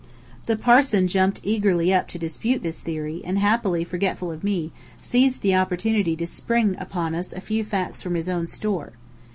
The parson jumped eagerly up to dispute this theory, and happily forgetful of me, seized the opportunity to spring upon us a few facts from his own store.